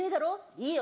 いいよ